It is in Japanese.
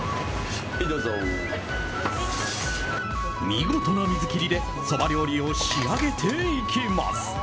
見事な水切りでそば料理を仕上げていきます。